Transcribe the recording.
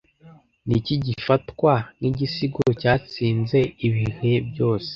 Niki gifatwa nkigisigo cyatsinze ibihe byose